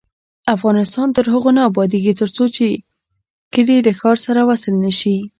افغانستان تر هغو نه ابادیږي، ترڅو کلي له ښار سره وصل نشي.